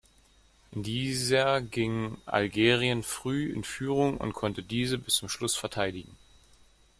In dieser ging Algerien früh in Führung und konnte diese bis zum Schluss verteidigen.